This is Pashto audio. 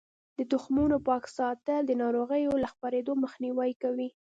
د تخمونو پاک ساتل د ناروغیو له خپریدو مخنیوی کوي.